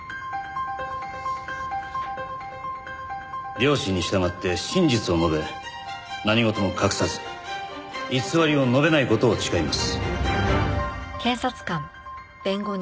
良心に従って真実を述べ何事も隠さず偽りを述べない事を誓います。